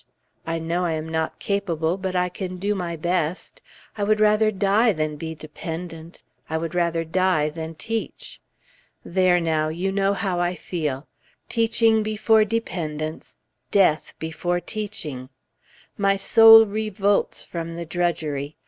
I know I am not capable, but I can do my best. I would rather die than be dependent; I would rather die than teach. There now, you know how I feel! Teaching before dependence, death before teaching. My soul revolts from the drudgery.